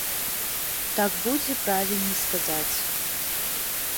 Так будзе правільней сказаць.